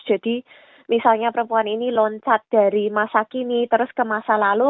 jadi misalnya perempuan ini loncat dari masa kini terus ke masa lalu